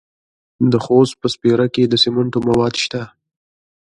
د خوست په سپیره کې د سمنټو مواد شته.